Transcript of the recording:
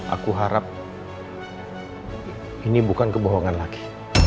aku harap ini bukan kebohongan lagi